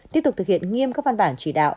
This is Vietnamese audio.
tiếp tục thực hiện nghiêm các văn bản chỉ đạo